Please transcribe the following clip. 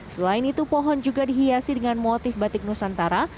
selain itu pohon juga dihiasi dengan motif batik nusantara